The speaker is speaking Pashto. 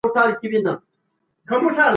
هغه دنده چي په صداقت ترسره سي برکت لري.